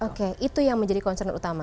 oke itu yang menjadi concern utama